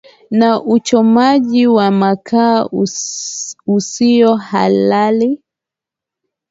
na uchomaji wa mikaa usiohalali